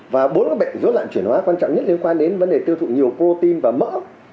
và bốn bệnh dối loạn chuyển hóa quan trọng nhất liên quan đến vấn đề tiêu thụ nhiều protein và mỡ